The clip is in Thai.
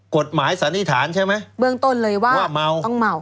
สันนิษฐานใช่ไหมเบื้องต้นเลยว่าว่าเมาต้องเมา